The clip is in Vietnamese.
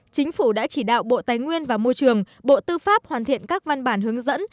chính phủ đã chỉ đạo bộ tài nguyên và môi trường bộ tư pháp hoàn thiện các văn bản hướng dẫn